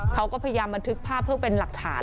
เขาก็พยายามบันทึกภาพเพื่อเป็นหลักฐาน